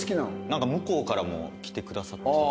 なんか向こうからも来てくださって。